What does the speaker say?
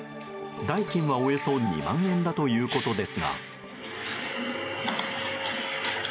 代金はおよそ２万円だということですが。